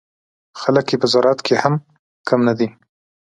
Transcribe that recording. خلک یې په زراعت کې هم کم نه دي.